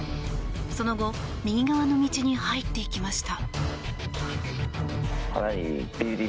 その後、右側の道に入っていきました。